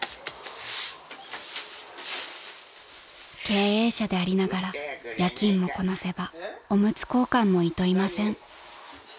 ［経営者でありながら夜勤もこなせばおむつ交換もいといません］